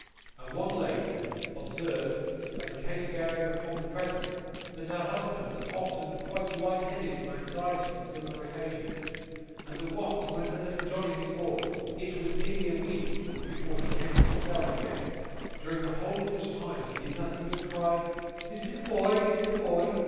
And one lady observed, as a case bearing upon the present, that her husband was often quite light headed from anxiety on similar occasions, and that once, when her little Johnny was born, it was nearly a week before he came to himself again, during the whole of which time he did nothing but cry 'Is it a boy, is it a boy?